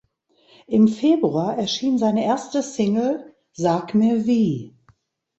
Im Februar erschien seine erste Single "Sag mir wie".